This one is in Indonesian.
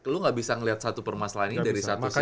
lu gak bisa ngeliat satu permas lainnya dari satu sisi aja gitu